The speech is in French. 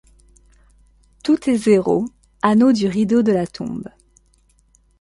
Tous tes zéros, anneaux du rideau de la tombe ;